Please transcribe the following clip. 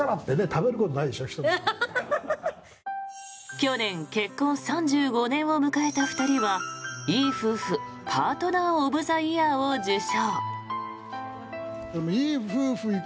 去年結婚３５年を迎えた２人はいい夫婦パートナー・オブ・ザ・イヤーを受賞。